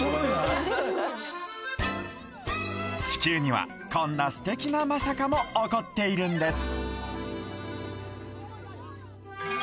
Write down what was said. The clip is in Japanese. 地球にはこんな素敵な「まさか」も起こっているんです